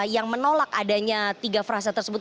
yang menolak adanya tiga frasa tersebut